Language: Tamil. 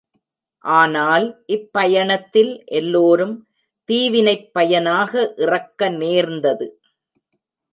ஆனால், இப்பயணத் தில் எல்லோரும் தீவினைப் பயனாக இறக்க நேர்ந்தது.